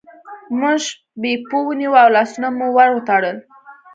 موږ بیپو ونیوه او لاسونه مو ور وتړل.